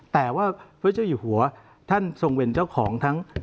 แต่ว่าพระเจ้าอยู่หัวท่านทรงเป็นเจ้าของทั้ง